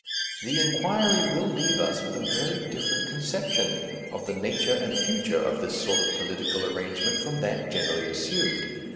The inquiry will leave us with a very different conception of the nature and future of this sort of political arrangement from that generally assumed.